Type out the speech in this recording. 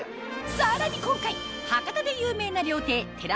さらに今回博多で有名な料亭てら